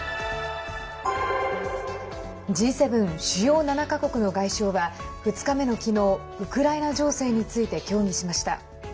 Ｇ７＝主要７か国の外相は２日目の昨日ウクライナ情勢について協議しました。